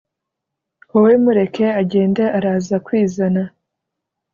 wowe mureke agende araza kwizana